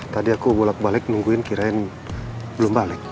tadi aku bolak balik nungguin kirain belum balik